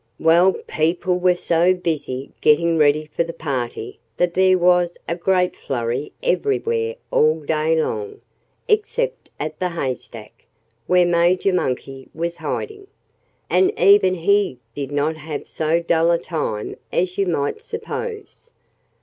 Well, people were so busy getting ready for the party that there was a great flurry everywhere all day long except at the haystack, where Major Monkey was hiding. And even he did not have so dull a time as you might suppose.